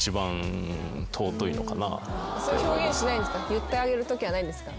言ってあげるときはないんですか？